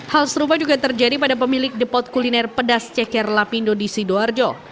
hal serupa juga terjadi pada pemilik depot kuliner pedas ceker lapindo di sidoarjo